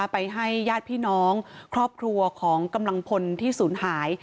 ไปให้ญาติพี่น้องครอบครัวของกำลังพลที่ศูนย์หาย